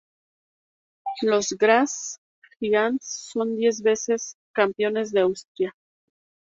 Los Graz Giants son diez veces campeones de Austria.